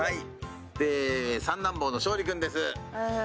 三男坊の昇利君です。